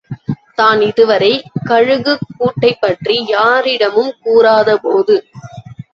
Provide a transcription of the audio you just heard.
தான் இதுவரை, கழுகுக் கூட்டைப்பற்றி யாரிடமும் கூறாதபோது.